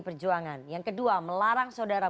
perjuangan yang kedua melarang saudara